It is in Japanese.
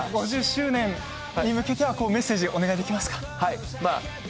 ５０周年に向けてメッセージをお願いします。